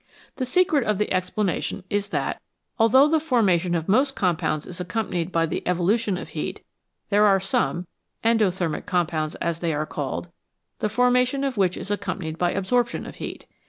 The secret of the explanation is that, although the formation of most compounds is accompanied by the evolution of heat, there are some " endo thermic " com pounds, as they are called the formation of which is accompanied by absorption of heat.